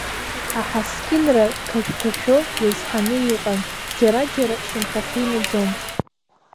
Аҳаскьынра қашәқашәо иазҳаны иҟан, џьара-џьара шьамхахьы инаӡон.